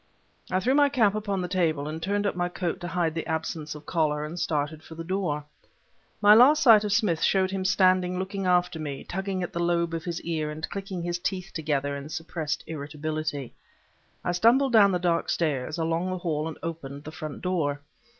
I threw my cap upon the table, turned up my coat to hide the absence of collar, and started for the door. My last sight of Smith showed him standing looking after me, tugging at the lobe of his ear and clicking his teeth together with suppressed irritability. I stumbled down the dark stairs, along the hall, and opened the front door.